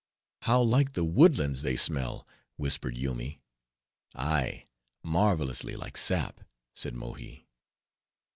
"How like the woodlands they smell," whispered Yoomy. "Ay, marvelously like sap," said Mohi.